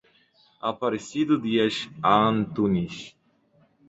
Aparecido Dias Antunis